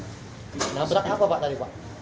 nabrak apa pak tadi pak